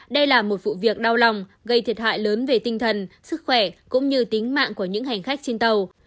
đây là một vụ việc đau lòng gây thiệt hại lớn về tinh thần sức khỏe cũng như tính mạng của những hành khách trên tàu